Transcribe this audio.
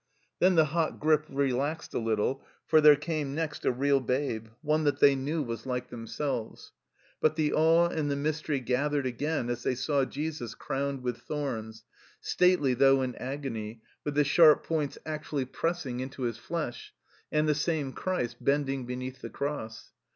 Then the hot grip relaxed a little, for there came next a real babe, one that they knew was like themselves. But the awe and the mystery gathered again as they saw Jesus crowned with thorns, stately though in agony, with the sharp points actually pressing into 62 THE CELLAR HOUSE OF PERVYSE his flesh, and the same Christ bending beneath the cross.